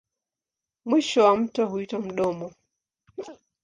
Mwisho wa mto huitwa mdomo.